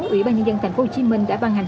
ủy ban nhân dân thành phố hồ chí minh đã ban hành